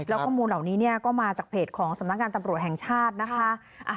แล้วข้อมูลเหล่านี้เนี่ยก็มาจากเพจของสำนักงานตำรวจแห่งชาตินะคะ